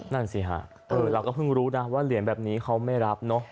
นั่นสิฮะเราก็เพิ่งรู้นะว่าเหรียญแบบนี้เขาไม่รับเนอะ